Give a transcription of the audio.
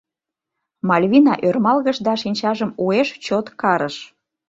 Мальвина ӧрмалгыш да шинчажым уэш чот карыш.